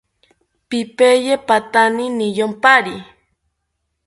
Pipiye patani niyompari